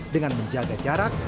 dengan menjaga jarak